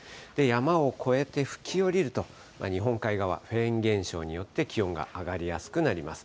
山を越えて吹き下りると、日本海側、フェーン現象によって気温が上がりやすくなります。